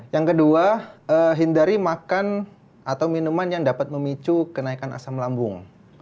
yang kedua hindari makan atau minuman yang dapat memicu kenaikan asam lambung